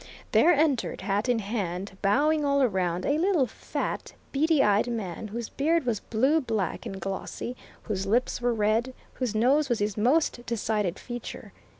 There entered, hat in hand, bowing all round, a little fat, beady eyed man, whose beard was blue black and glossy, whose lips were red, whose nose was his most decided feature.